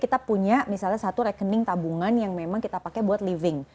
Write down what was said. kita punya misalnya satu rekening tabungan yang memang kita pakai buat living